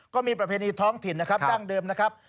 ก็มีประเพณีท้องถิ่นนะครับดั้งเดิมนะครับ